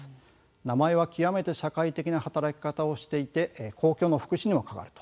名前は極めて社会的な働き方をしていて公共の福祉にも関わる。